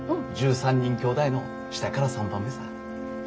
１３人きょうだいの下から３番目さ。